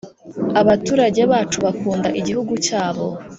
abaturage bacu bakunda igihugu cyabo